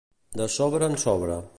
De sobre en sobre.